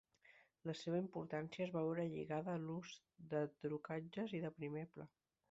La seva importància es va veure lligada a l’ús de trucatges i del primer pla.